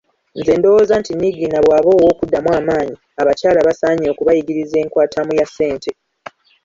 Nze ndowooza nti Niigiina bw’aba ow’okuddamu amaanyi, abakyala basaanye okubayigiriza enkwatamu ya ssente.